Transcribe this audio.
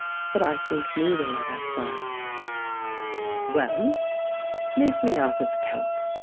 "But I think neither of us does." "Well, leave me out of the count.